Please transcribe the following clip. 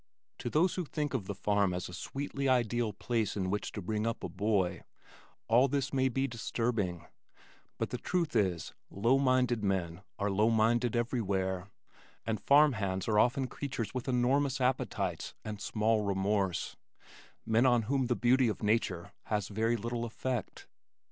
To those who think of the farm as a sweetly ideal place in which to bring up a boy, all this may be disturbing but the truth is, low minded men are low minded everywhere, and farm hands are often creatures with enormous appetites and small remorse, men on whom the beauty of nature has very little effect.